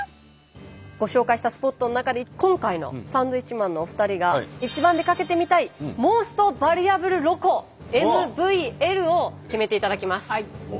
ご紹介したスポットの中で今回のサンドウィッチマンのお二人が一番出かけてみたいＭｏｓｔＶａｌｕａｂｌｅＬｏｃｏＭＶＬを決めていただきます。